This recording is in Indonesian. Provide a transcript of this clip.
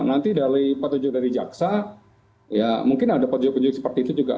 nanti dari patujuk dari jaksa ya mungkin ada patujuk penyidik seperti itu juga